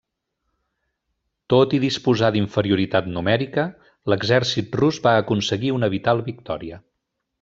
Tot i disposar d'inferioritat numèrica, l'exèrcit rus va aconseguir una vital victòria.